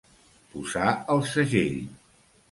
Posar el segell.